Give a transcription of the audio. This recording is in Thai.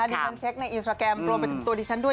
ดิฉันเช็คในอินสตราแกรมรวมไปถึงตัวดิฉันด้วย